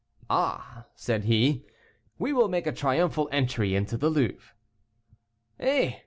"Ah," said he, "we will make a triumphal entry into the Louvre." "Eh!